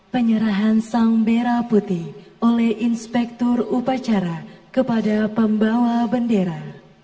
penyerahan sang merah putih oleh inspektur upacara kepada pembawa bendera